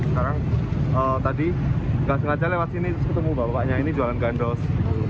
sekarang tadi nggak sengaja lewat sini terus ketemu bapaknya ini jualan gandos